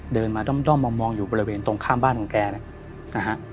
เดินมาด้อมมองอยู่บริเวณตรงข้ามบ้านของแกนะฮะ